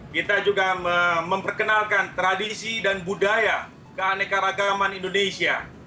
kita juga memperkenalkan tradisi dan budaya keanekaragaman indonesia